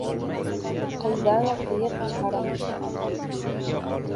Qildan qiyiq chiqaraman.